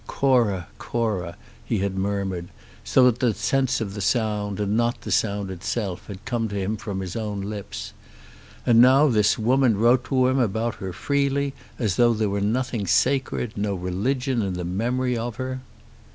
"Cora, Cora," he had murmured, so that the sense of the sound and not the sound itself had come to him from his own lips. And now this woman wrote to him about her freely, as though there were nothing sacred, no religion in the memory of her.